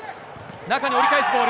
中に折り返すボール。